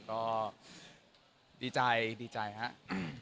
ก็ดีใจดีใจครับ